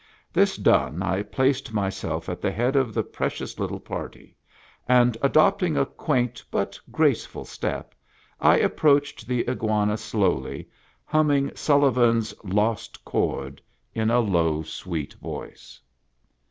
This done, I placed myself at the head of the precioijs little party, and, adopting a quaint but graceful step, I approached the Iguana slowly, humming Sullivan's " Lost Chord " in a low, sweet voice.